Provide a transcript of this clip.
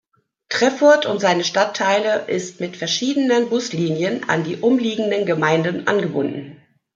Treffurt und seine Stadtteile ist mit verschiedenen Buslinien an die umliegenden Gemeinden angebunden.